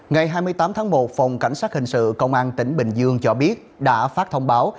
ngày hai mươi tám tháng một phòng cảnh sát hình sự công an tỉnh bình dương cho biết đã phát thông báo